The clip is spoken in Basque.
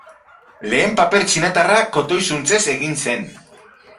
Lehen paper txinatarra kotoi-zuntzez egin zen.